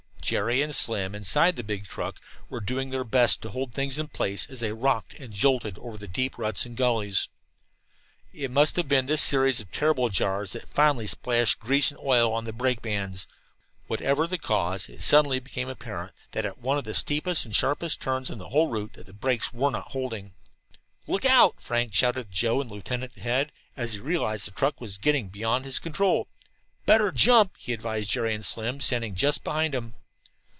Jerry and Slim, inside the big truck, were doing their best to hold things in place as they rocked and jolted over the deep ruts and gullies. It must have been this series of terrible jars that finally splashed grease and oil in on the brake bands. Whatever the cause, it suddenly became apparent at one of the steepest and sharpest turns in the whole route that the brakes were not holding. "Look out!" Frank shouted to Joe and the lieutenant ahead, as he realized the truck was getting beyond his control. "Better jump!" he advised Jerry and Slim, standing just behind him.